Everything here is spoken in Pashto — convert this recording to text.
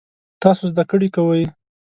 تاسو زده کړی کوئ؟